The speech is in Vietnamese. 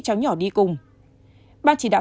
cháu nhỏ đi cùng ban chỉ đạo